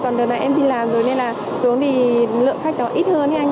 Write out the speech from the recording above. còn đợt này em đi làm rồi nên là xuống thì lượng khách đó ít hơn